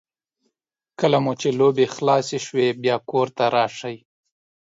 کله مو چې لوبې خلاصې شوې بیا کور ته راشئ.